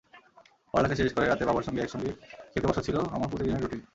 পড়ালেখা শেষ করে রাতে বাবার সঙ্গে একসঙ্গে খেতে বসা ছিল আমার প্রতিদিনের রুটিন।